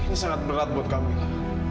ini sangat berat buat kami